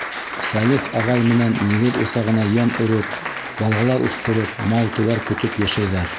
Сәлих ағай менән нигеҙ усағына йән өрөп, балалар үҫтереп, мал-тыуар көтөп йәшәйҙәр.